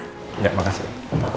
kalau gitu saya permisi pak